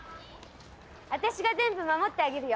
私が全部守ってあげるよ。